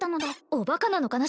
おバカなのかな